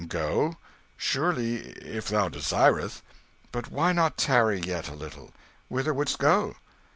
"Go? Surely, if thou desirest. But why not tarry yet a little? Whither would'st go?"